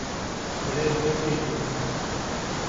Gunehê xwe pê tînin.